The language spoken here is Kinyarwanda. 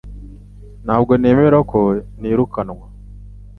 Ntabwo nemera ko ntirukanwa